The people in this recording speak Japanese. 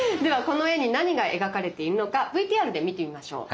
この絵に何が描かれているのかＶＴＲで見てみましょう！